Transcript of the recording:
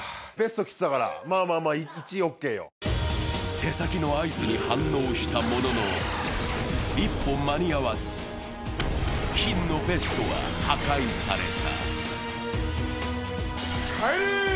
手先の合図に反応したものの一歩間に合わず、金のベストは破壊された。